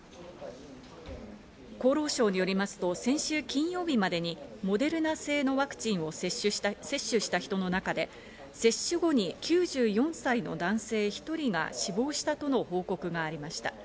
厚労省によりますと、先週金曜日までにモデルナ製のワクチンを接種した人の中で、接種後に９４歳の男性１人が死亡したとの報告がありました。